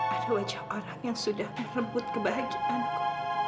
ada wajah orang yang sudah merebut kebahagiaanku